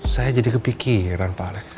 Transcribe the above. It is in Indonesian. saya jadi kepikiran pak alex